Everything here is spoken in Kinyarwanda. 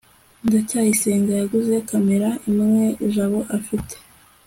ndacyayisenga yaguze kamera imwe jabo afite